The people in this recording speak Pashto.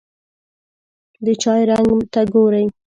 د چای رنګ ته ګوري.